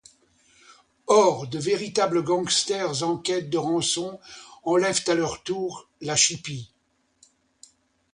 Or de véritables gangsters en quête de rançon enlèvent à leur tour la chipie.